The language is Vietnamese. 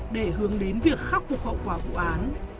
để hướng đến việc khắc phục hậu quả vụ án